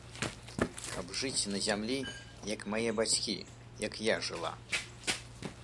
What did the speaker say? Каб жыць на зямлі, як мае бацькі, як я жыла.